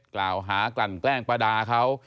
กล่าวหากลั่นแกล้งประดาเขา